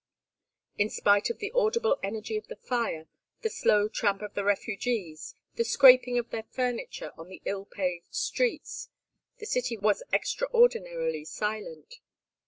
In spite of the audible energy of the fire, the slow tramp of the refugees, the scraping of their furniture on the ill paved streets, the city was extraordinarily silent.